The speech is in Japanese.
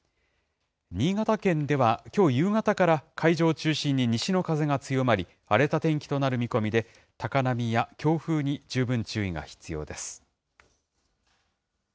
新潟県では、きょう夕方から海上を中心に西の風が強まり、荒れた天気となる見込みで、高波や強風に十分注意が必要です。